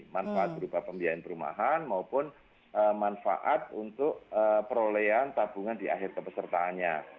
manfaat berupa pembiayaan perumahan maupun manfaat untuk perolehan tabungan di akhir kepesertaannya